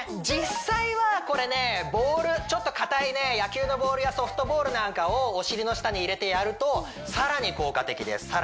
実際はこれねボールちょっと硬い野球のボールやソフトボールなんかをお尻の下に入れてやると更に効果的です